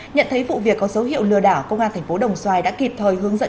nhận thấy vụ việc có dấu hiệu lừa đảo công an thành phố đồng xoài đã kịp thời hướng dẫn